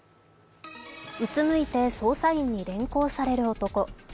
うつむいて捜査員に連行される男。